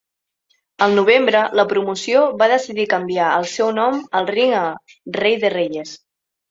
Al novembre, la promoció va decidir canviar el seu nom al ring a "Rey de Reyes".